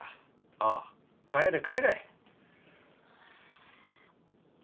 ああ帰れ帰れ。